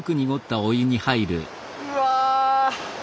うわ！